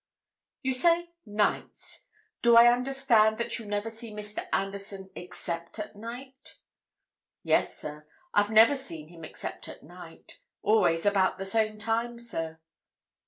"You say 'nights.' Do I understand that you never see Mr. Anderson except at night?" "Yes, sir. I've never seen him except at night. Always about the same time, sir."